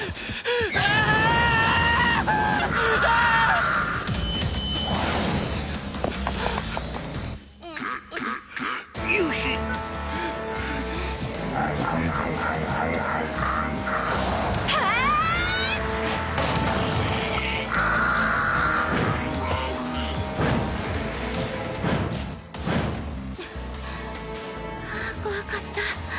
ふぅああ怖かった。